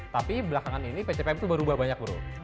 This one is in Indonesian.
tapi belakangan ini pcpm itu berubah banyak buru